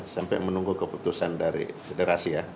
sampai menunggu keputusan dari federasi ya